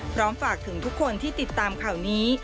พร้อมฝากถึงทุกคนที่ติดตามข่าวนี้